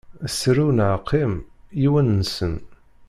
Sru neɣ qqim, yiwen-nsen.